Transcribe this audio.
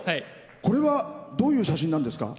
これはどういう写真なんですか？